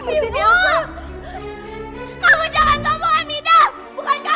kamu jangan sombong hamidah